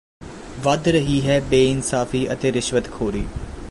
ਵੱਧ ਰਹੀ ਹੈ ਬੇਇਨਸਾਫੀ ਅਤੇ ਰਿਸ਼ਵਤਖੋਰੀ